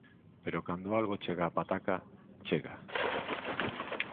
Pero cando algo chega á pataca, chega.